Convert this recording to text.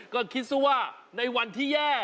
ก็คิดซะว่าในวันที่แย่